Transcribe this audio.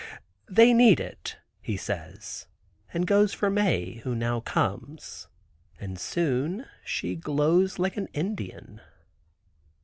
"They need it," he says, and goes for Mae, who now comes, and soon she glows like an Indian.